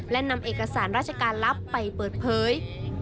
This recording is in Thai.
และนำเอกสารราชการลับไปเปิดเผย